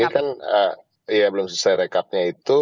tapi kan ya belum selesai rekapnya itu